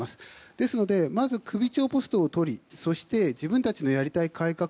ですので、まず首長ポストを取り自分たちのやりたい改革